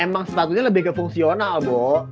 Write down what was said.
emang sepatunya lebih ke fungsional boh